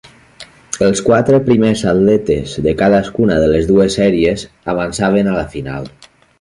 Els quatre primers atletes de cadascuna de les dues sèries avançaven a la final.